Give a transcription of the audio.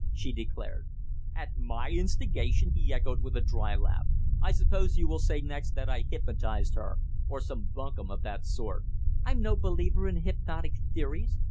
she declared. "At my instigation!" he echoed, with a dry laugh. "I suppose you will say next that I hypnotised her or some bunkum of that sort!" "I'm no believer in hypnotic theories.